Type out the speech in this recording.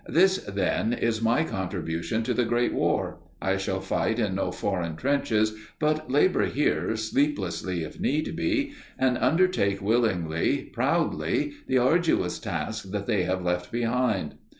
This, then, in my contribution to the Great War. I shall fight in no foreign trenches, but labour here, sleeplessly if need be, and undertake willingly, proudly, the arduous task that they have left behind.